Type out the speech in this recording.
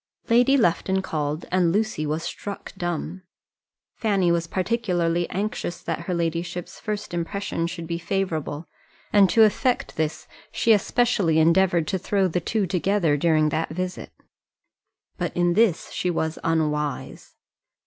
Lady Lufton called, and Lucy was struck dumb. Fanny was particularly anxious that her ladyship's first impression should be favourable, and to effect this, she especially endeavoured to throw the two together during that visit. But in this she was unwise.